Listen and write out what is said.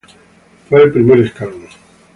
Fue el primer escalón.